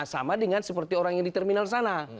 sama dengan seperti orang yang di terminal sana